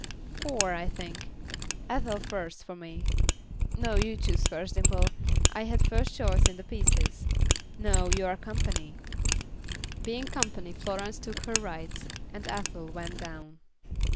"Four, I think. Ethel first, for me. No, you choose first, Dimple. I had first choice in the pieces." "No, you're company." Being company, Florence took her rights, and Ethel went down.